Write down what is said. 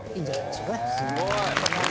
すごい。